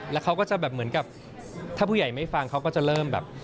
แล้วเขาก็จะแบบเหมือนกับถ้าผู้ใหญ่ไม่ฟังเขาก็จะเริ่มแบบ